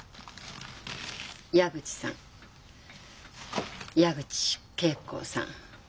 矢口さん矢口桂子さん。